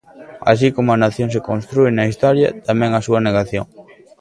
Así como a nación se constrúe na historia, tamén a súa negación.